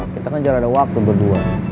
kita kan jangan ada waktu berdua